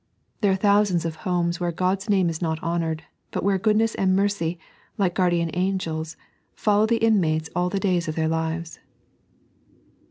There are thousands of homes where God's name is not honoured — but where goodness and mercy, like guardian angels, follow the inmates all the days of their lives.